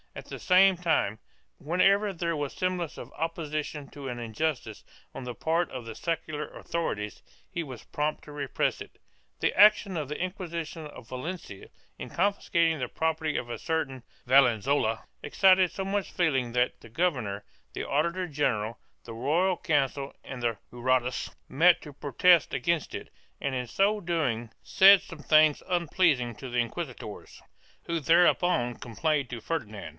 At the same time, whenever there was the semblance of opposition to an injustice, on the part of the secular authorities, he was prompt to repress it. The action of the Inquisition of Valencia, in confiscating the property of a certain Valenzuola, excited so much feeling that 1 Archive de Simancas, Inquisition, Libro I. CHAP. IV] FERDINAND'S BIGOTRY 189 the governor, the auditor general, the royal council and the jurados met to protest against it and in so doing said some things unpleasing to the inquisitors, who thereupon complained to Ferdinand.